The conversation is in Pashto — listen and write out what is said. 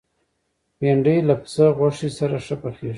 بېنډۍ له پسه غوښې سره ښه پخېږي